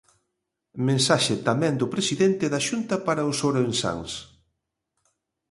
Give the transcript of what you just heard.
Mensaxe tamén do presidente da Xunta para os ourensáns.